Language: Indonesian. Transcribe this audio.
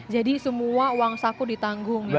jadi semua uang saku ditanggung ya pak